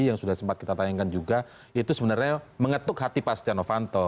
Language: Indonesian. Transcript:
yang sudah sempat kita tanyakan juga itu sebenarnya mengetuk hati pak stiano vanto